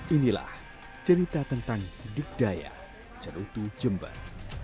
inilah cerita tentang digdaya cerutu jember